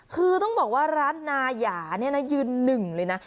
คือต้องบอกว่าร้านนายานี่นะยืนหนึ่งเลยนะ